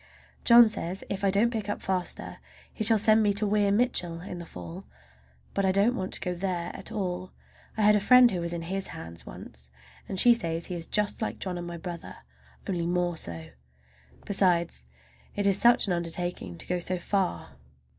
John says if I don't pick up faster he shall send me to Weir Mitchell in the fall. But I don't want to go there at all. I had a friend who was in his hands once, and she says he is just like John and my brother, only more so! Besides, it is such an undertaking to go so far.